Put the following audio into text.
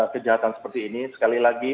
kejahatan seperti ini sekali lagi